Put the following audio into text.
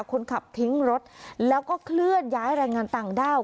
คนขับทิ้งรถแล้วก็เคลื่อนย้ายแรงงานต่างด้าว